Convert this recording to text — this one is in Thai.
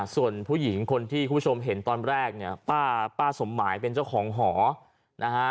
ส่วนผู้หญิงคนที่คุณผู้ชมเห็นตอนแรกเนี่ยป้าสมหมายเป็นเจ้าของหอนะฮะ